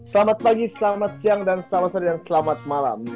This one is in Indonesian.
selamat pagi selamat siang dan selamat malam